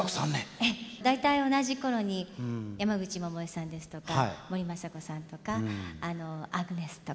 ええ。大体同じ頃に山口百恵さんですとか森昌子さんとかあのアグネスとか。